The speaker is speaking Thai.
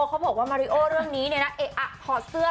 เขาบอกว่ามาริโอเรื่องนี้เนี่ยนะเอ๊ะอะถอดเสื้อ